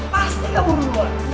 pasti kabur duluan